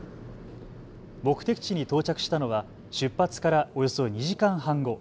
目的地に到着したのは出発からおよそ２時間半後。